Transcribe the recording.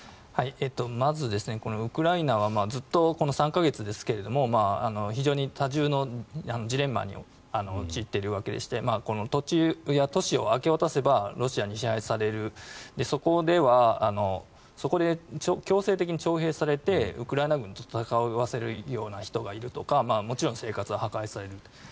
まず、ウクライナはずっとこの３か月ですが非常に多重のジレンマに陥っているわけでして都市を明け渡せばロシアに支配されるそこでは強制的に徴兵されてウクライナ軍と戦わされるような人がいるとかもちろん生活は破壊される。